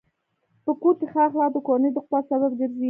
په کور کې ښه اخلاق د کورنۍ د قوت سبب ګرځي.